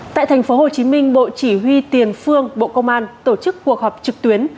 tại thành phố hồ chí minh bộ chỉ huy tiền phương bộ công an tổ chức cuộc họp trực tuyến